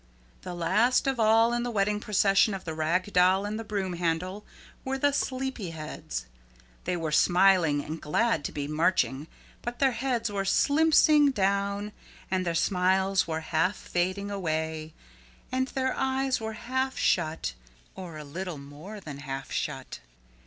The last of all in the wedding procession of the Rag Doll and the Broom Handle were the Sleepyheads. They were smiling and glad to be marching but their heads were slimpsing down and their smiles were half fading away and their eyes were half shut or a little more than half shut.